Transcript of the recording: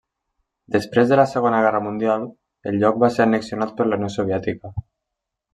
Després de la Segona Guerra Mundial, el lloc va ser annexionat per la Unió Soviètica.